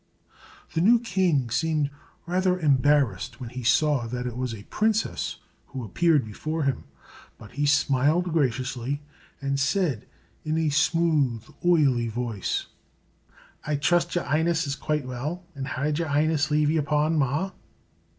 The new king seemed rather embarrassed when he saw that it was a princess who appeared before him; but he smiled graciously, and said, in a smooth oily voice, "I trust your 'Ighness is quite well. And 'ow did yer 'Ighness leave yer pa and ma?"